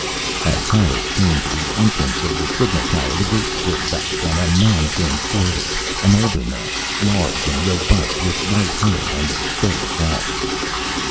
As Harris came to the entrance of the signal tower the gate slid back and a man came forward, an older man, large and robust, with white hair and a steady walk.